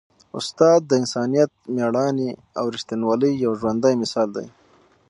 استاد د انسانیت، مېړانې او ریښتینولۍ یو ژوندی مثال دی.